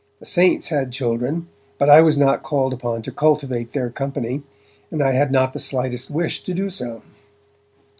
The 'saints' had children, but I was not called upon to cultivate their company, and I had not the slightest wish to do so.